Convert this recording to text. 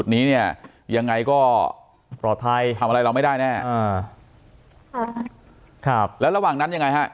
นี้เนี่ยยังไงก็ปลอดภัยทำอะไรเราไม่ได้แน่อ่าค่ะครับแล้วระหว่างนั้นยังไงฮะ